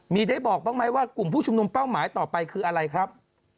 มีได้บอกบ้างไหมว่ากลุ่มผู้ชุมนุมเป้าหมายต่อไปคืออะไรครับ